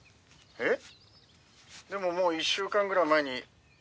えっ。